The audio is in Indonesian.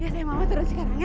saya mama turun sekarang ya